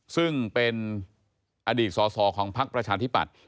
ซึ่งเป็นอดีตสอสอของพักประชาธิปัตย